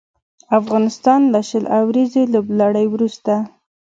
افغانستان له شل اوريزې لوبلړۍ وروسته